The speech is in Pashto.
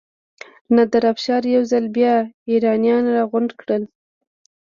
نادر افشار یو ځل بیا ایرانیان راغونډ کړل.